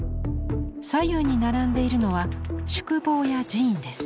左右に並んでいるのは宿坊や寺院です。